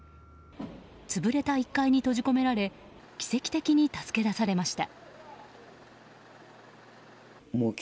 潰れた１階に閉じ込められ奇跡的に助け出されました。